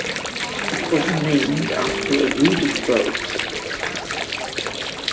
It was named after a breed of bulls.